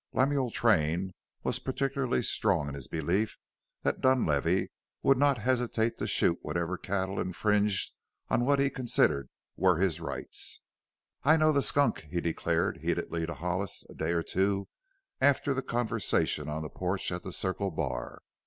Lemuel Train was particularly strong in his belief that Dunlavey would not hesitate to shoot whatever cattle infringed on what he considered were his rights. "I know the skunk!" he declared heatedly to Hollis a day or two after the conversation on the porch at the Circle Bar.